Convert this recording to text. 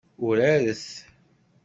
Uraret!